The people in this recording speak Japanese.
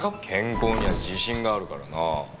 健康には自信があるからなあ。